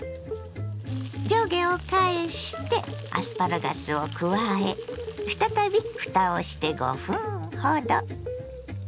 上下を返してアスパラガスを加え再びふたをして５分ほど。